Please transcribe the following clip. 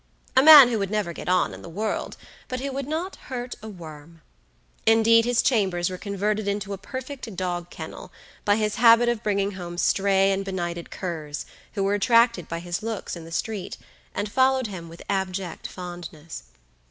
A man who would never get on in the world; but who would not hurt a worm. Indeed, his chambers were converted into a perfect dog kennel, by his habit of bringing home stray and benighted curs, who were attracted by his looks in the street, and followed him with abject fondness.